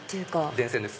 電線です。